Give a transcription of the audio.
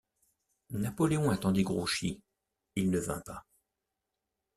Napoléon attendait Grouchy ; il ne vint pas.